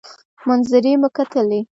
منظرې مو کتلې.